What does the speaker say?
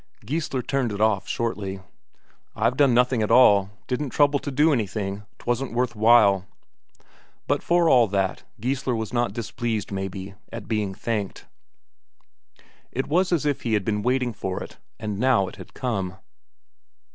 Geissler turned it off shortly. "I've done nothing at all. Didn't trouble to do, anything 'twasn't worth while." But for all that, Geissler was not displeased, maybe, at being thanked; it was as if he had been waiting for it, and now it had come.